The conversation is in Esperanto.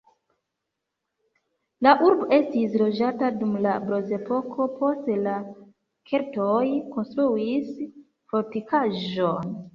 La urbo estis loĝata dum la bronzepoko, poste la keltoj konstruis fortikaĵon.